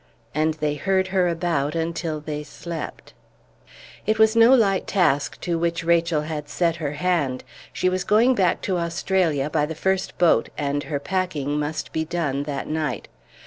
And they heard her about until they slept. It was no light task to which Rachel had set her hand; she was going back to Australia by the first boat, and her packing must be done that night.